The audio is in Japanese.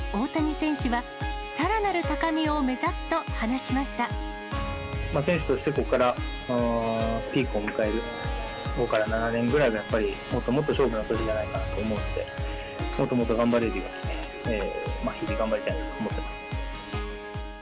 選手としてこれからピークを迎える５から７年ぐらいがやっぱりもっともっと勝負の年じゃないかなと思って、もっともっと頑張れるように、日々頑張りたいと思ってます。